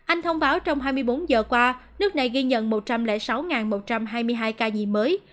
anh thông báo trong hai mươi bốn giờ qua nước này ghi nhận một trăm linh sáu một trăm hai mươi hai ca nhiễm mới